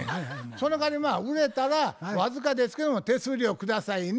「そのかわり売れたら僅かですけども手数料下さいね」